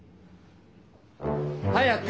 早く！